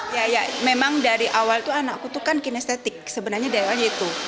ya ya memang dari awal itu anakku itu kan kinestetik sebenarnya daerahnya itu